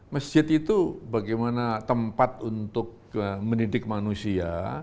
masjid itu bagaimana tempat untuk mendidik manusia